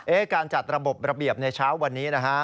การจัดระบบระเบียบในเช้าวันนี้นะฮะ